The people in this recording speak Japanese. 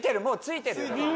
もう付いてるよ。